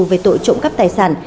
về tội trộm cắp tài sản